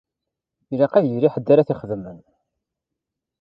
Ilaq ad yili ḥedd ara t-ixedmen.